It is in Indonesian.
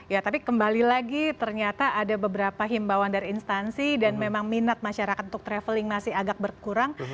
ya tapi kembali lagi ternyata ada beberapa himbawan dari instansi dan memang minat masyarakat untuk traveling masih agak berkurang